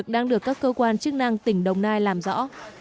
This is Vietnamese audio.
đang được các cơ quan chức năng tỉnh đồng nai làm rõ